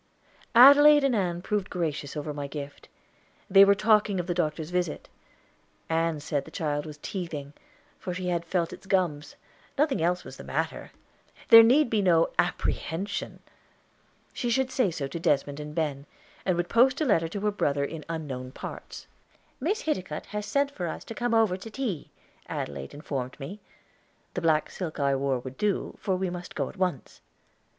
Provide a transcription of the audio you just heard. Adelaide and Ann proved gracious over my gift. They were talking of the doctor's visit. Ann said the child was teething, for she had felt its gums; nothing else was the matter. There need be no apprehension. She should say so to Desmond and Ben, and would post a letter to her brother in unknown parts. "Miss Hiticutt has sent for us to come over to tea," Adelaide informed me. The black silk I wore would do, for we must go at once.